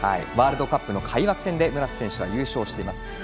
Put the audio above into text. ワールドカップの開幕戦で村瀬選手は優勝しています。